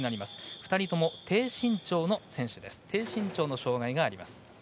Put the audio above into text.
２人とも低身長の障がいがあります。